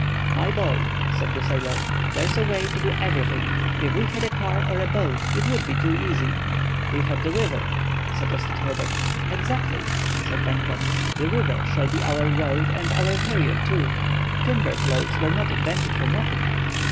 "My boy," said the sailor, "there's a way to do everything. If we had a car or a boat it would be too easy." "We have the river," suggested Herbert. "Exactly," said Pencroff. "The river shall be our road and our carrier, too. Timber floats were not invented for nothing."